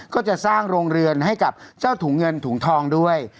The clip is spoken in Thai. ก็จะสร้างโรงเรือนให้กับเจ้าถุงเงินถุงทองด้วย